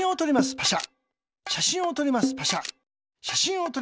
パシャ。